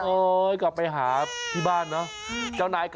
กลับไปหาที่บ้านเนอะ